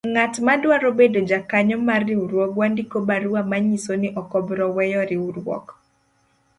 Ng'atma dwaro bedo jakanyo mar riwruogwa ndiko barua manyiso ni okobro weyo riwruok.